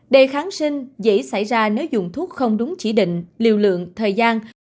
đề kháng sinh dễ xảy ra nếu dùng thuốc không đúng chỉ định liều lượng thời gian